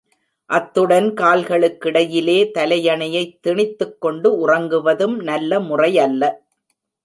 அத்துடன் கால்களுக்கிடையிலே தலையணையைத் திணித்துக் கொண்டு உறங்குவதும் நல்ல முறையல்ல.